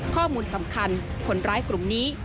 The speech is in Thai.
ข้อมูลสำคัญคนร้ายกลุ่มนี้